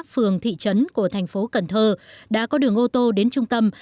phường thị trấn của thành phố cần thơ đã có đường ô tô đến trung tâm